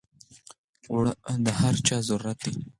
اوړه د هر چا ضرورت دی